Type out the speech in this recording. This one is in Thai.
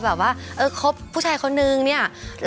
คือขอสักนิด